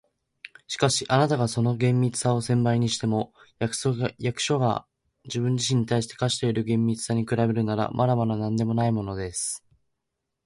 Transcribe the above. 「しかし、あなたがその厳密さを千倍にしても、役所が自分自身に対して課している厳密さに比べるなら、まだまだなんでもないものです。